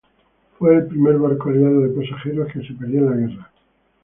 Fue el primer barco aliado de pasajeros que se perdió en la guerra.